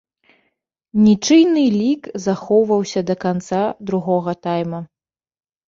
Нічыйны лік захоўваўся да канца другога тайма.